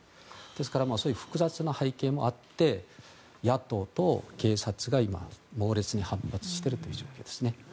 ですから複雑な背景もあって野党と警察が今、猛烈に反発しているという状況ですね。